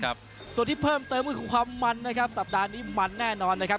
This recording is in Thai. ครับส่วนที่เพิ่มเติมก็คือความมันนะครับสัปดาห์นี้มันแน่นอนนะครับ